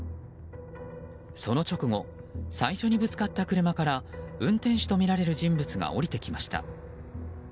その直後最初にぶつかった車から運転手とみられる人物が降りてきました。